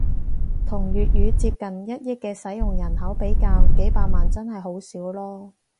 同粵語接近一億嘅使用人口比較，幾百萬真係好少囉